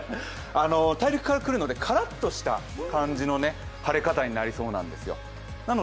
大陸から来るのでカラッとした天気になりそうなんですよ。